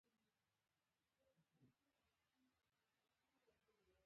استاد د علمي ارزښتونو ساتونکی دی.